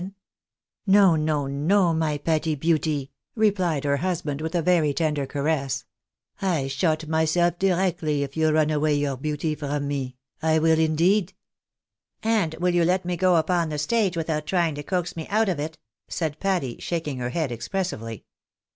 No, no, no, my Pati beauty," rej^lied her husband, with a very tender caress, " I shot myself directly if you run away your beauty from me, I will indeed." " And will you let me go upon the stage without trying to coax me out of it ?" said Patty, shaking her head expressively.